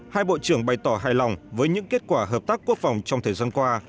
hai bộ trưởng bày tỏ hài lòng với những kết quả hợp tác quốc phòng trong thời gian qua